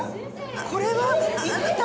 これは一体。